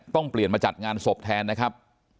ต้องเปลี่ยนมาจัดงานศพแทนนะครับ